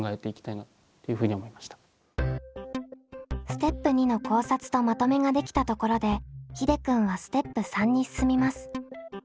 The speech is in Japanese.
ステップ２の考察とまとめができたところでひでくんはステップ３に進みます。